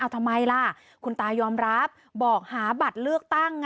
ทำไมล่ะคุณตายอมรับบอกหาบัตรเลือกตั้ง